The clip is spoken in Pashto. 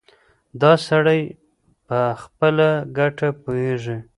دا سړی په خپله ګټه پوهېږي.